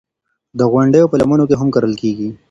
د غونډیو په لمنو کې هم کرل کېږي.